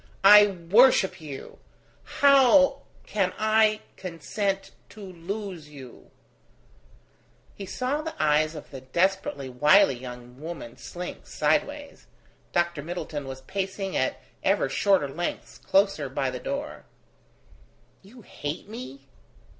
I worship you! How can I consent to lose you ...?" He saw the eyes of the desperately wily young woman slink sideways. Dr. Middleton was pacing at ever shorter lengths closer by the door. "You hate me?"